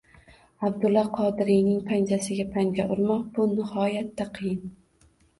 Abdulla Qodiriyning “panjasiga panja urmoq” – bu nihoyatda qiyin